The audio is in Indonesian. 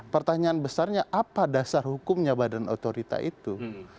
pertanyaan besarnya apa dasar hukumnya badan otorita itu